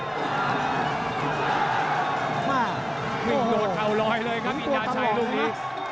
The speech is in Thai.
วิ่งโดดเข่าลอยเลยครับอินดาชัยลูกนี้